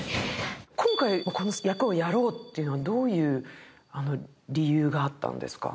今回、この役をやろうというのはどういう理由があったんですか？